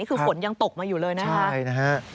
นี่คือฝนยังตกมาอยู่เลยนะครับใช่นะครับใช่